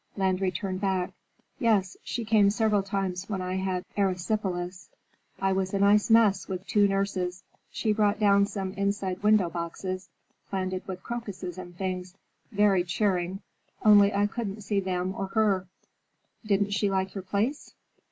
Landry turned back. "Yes. She came several times when I had erysipelas. I was a nice mess, with two nurses. She brought down some inside window boxes, planted with crocuses and things. Very cheering, only I couldn't see them or her." "Didn't she like your place?"